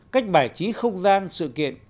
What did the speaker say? cách bài trí không gian sự kiện